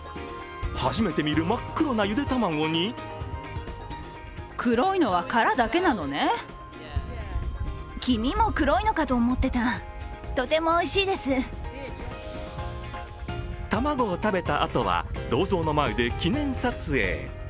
初めて見る真っ黒なゆで卵に卵を食べたあとは銅像の前で記念撮影。